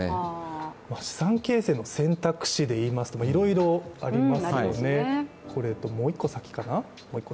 資産形成の選択肢でいうといろいろありますよね。